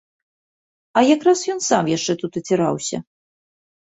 А якраз ён сам яшчэ тут аціраўся.